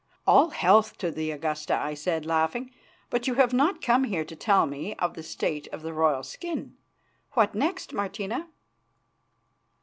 "All health to the Augusta!" I said, laughing. "But you have not come here to tell me of the state of the royal skin. What next, Martina?"